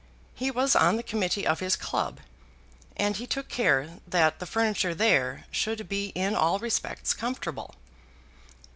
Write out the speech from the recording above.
He was on the committee of his club, and he took care that the furniture there should be in all respects comfortable.